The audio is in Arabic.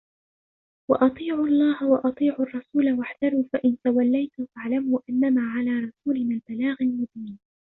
وأطيعوا الله وأطيعوا الرسول واحذروا فإن توليتم فاعلموا أنما على رسولنا البلاغ المبين